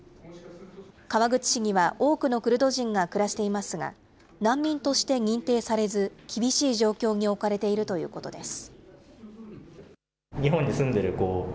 川口市には、多くのクルド人が暮らしていますが、難民として認定されず、厳しい状況に置かれているということです。